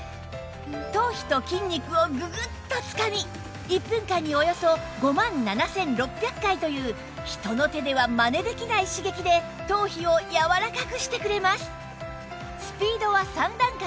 頭皮と筋肉をググッとつかみ１分間におよそ５万７６００回という人の手ではマネできない刺激で頭皮をやわらかくしてくれます